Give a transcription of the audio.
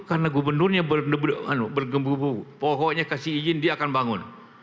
karena gubernurnya bergembubu pohonnya kasih izin dia akan bangun